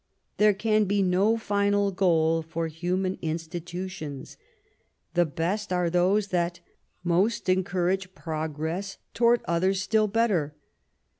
There can be no final goal for human institutions; the best are those that most encourage progress toward others still better.